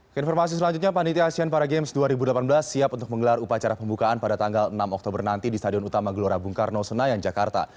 keinformasi selanjutnya panitia asean para games dua ribu delapan belas siap untuk menggelar upacara pembukaan pada tanggal enam oktober nanti di stadion utama gelora bung karno senayan jakarta